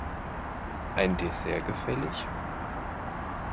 Ein Dessert gefällig?